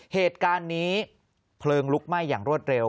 เหตุการณ์นี้เพลิงลุกไหม้อย่างรวดเร็ว